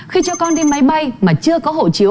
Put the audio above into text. khi cho con đi máy may mà chưa có hộ chiếu